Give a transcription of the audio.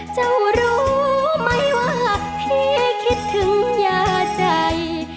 เจ้ารู้ไหมว่าพี่คิดถึงยาใจ